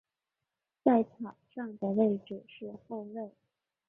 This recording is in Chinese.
在场上的位置是后卫。